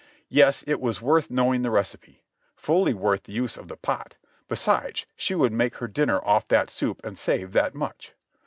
Yes, it was worth knowing the recipe; fully worth the use of the pot, besides she would make her dinner off that soup and save that much!